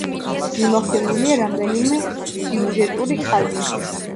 მიმოხილულია რამდენიმე სიუჟეტური ხაზი.